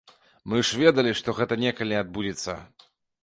Мы ж ведалі, што гэта некалі адбудзецца.